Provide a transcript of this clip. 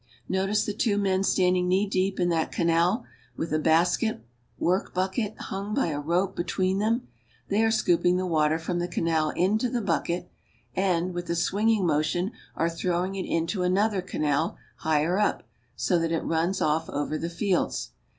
Notice the two men standing knee deep in that canal with a basket work bucket hung by a rope between them. They are scooping the water from the canal into the bucket, and, with a swinging motion, are throwing it into another canal higher up, so that it runs off over the iields.